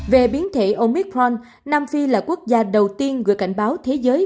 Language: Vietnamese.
về biến thể omicron nam phi là quốc gia đầu tiên gửi cảnh báo thế giới